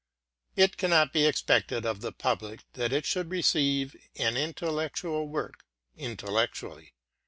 It cannot be expected of the public that it should receive an intel lectual work intellectually.